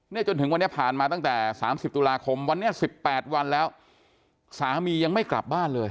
จนถึงวันนี้ผ่านมาตั้งแต่๓๐ตุลาคมวันนี้๑๘วันแล้วสามียังไม่กลับบ้านเลย